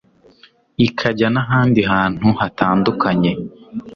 ikajya n'ahandi hantu hatandukanye